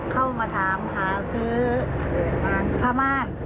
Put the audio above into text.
เข้ามาถามหาซื้อผ้าม่าน